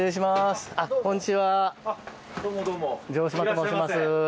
城島と申します。